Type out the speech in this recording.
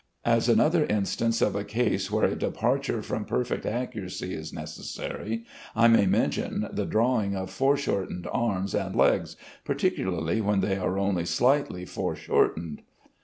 As another instance of a case where a departure from perfect accuracy is necessary, I may mention the drawing of foreshortened arms and legs, particularly when they are only slightly foreshortened.